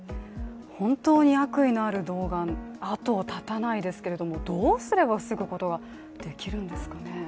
本当に悪意のある動画後を絶たないですけれどもどうすれば防ぐことができるんですかね。